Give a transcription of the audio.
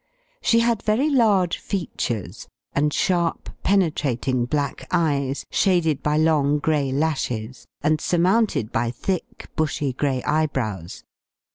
She had very large features, and sharp, penetrating black eyes, shaded by long, gray lashes, and surmounted by thick, bushy, gray eyebrows.